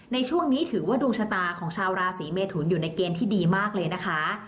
ในช่วงนี้ถือว่าดวงชะตาของชาวราศีเมทุนอยู่ในเกณฑ์ที่ดีมากเลยนะคะ